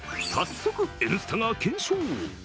早速、「Ｎスタ」が検証。